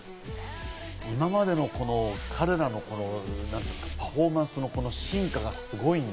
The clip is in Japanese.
今までの彼らのパフォーマンスの進化がすごい。